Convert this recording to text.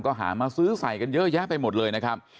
ก็หามาซื้อใส่กันเยอะแยะไปหมดเลยนะครับ